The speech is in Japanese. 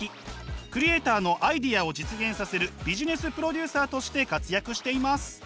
クリエーターのアイデアを実現させるビジネスプロデューサーとして活躍しています。